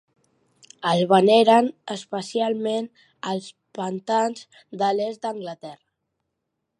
El veneren especialment als pantans de l'est d'Anglaterra.